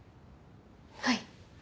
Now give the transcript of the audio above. はい？